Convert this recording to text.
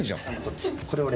これ俺。